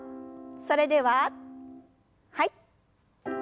それでははい。